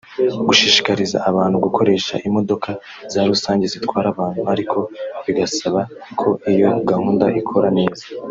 Gushishikariza abantu gukoresha imodoka za rusange zitwara abantu (ariko bigasaba ko iyo gahunda ikora neza)